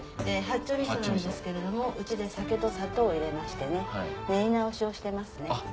八丁味噌なんですけれどもうちで酒と砂糖を入れまして練り直しをしてますね。